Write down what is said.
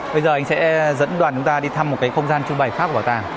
bây giờ anh sẽ dẫn đoàn chúng ta đi thăm một cái không gian trưng bày khác bảo tàng